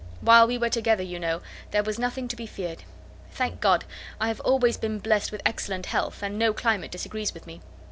While we were together, you know, there was nothing to be feared. Thank God! I have always been blessed with excellent health, and no climate disagrees with me.